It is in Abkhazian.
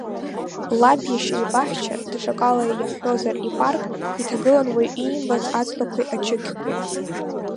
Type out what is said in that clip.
Лаб иашьа ибаҳча, даҽакала иаҳҳәозар ипарк, иҭагылан уаҩ иимбац аҵлақәеи ачықьқәеи.